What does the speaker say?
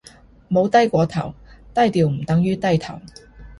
冇低過頭，低調唔等於低頭